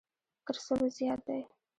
تر سلو زیات دی.